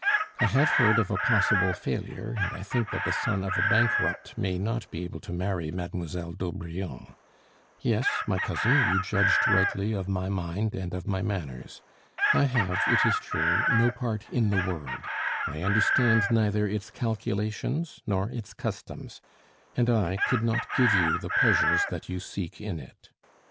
I have heard of a possible failure, and I think that the son of a bankrupt may not be able to marry Mademoiselle d'Aubrion. Yes, my cousin, you judged rightly of my mind and of my manners. I have, it is true, no part in the world; I understand neither its calculations nor its customs; and I could not give you the pleasures that you seek in it.